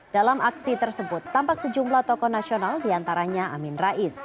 dalam aksi tersebut tampak sejumlah tokoh nasional diantaranya amin rais